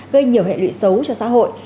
gây nhiều hệ lụy xấu cho xã hội